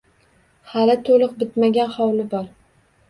Hali toʻliq bitmagan hovli bor.